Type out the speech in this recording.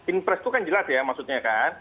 impres itu kan jelas ya maksudnya kan